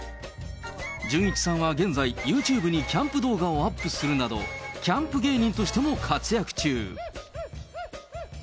じゅんいちさんは現在、ユーチューブにキャンプ動画をアップするなど、キャンプ芸人としても活躍中。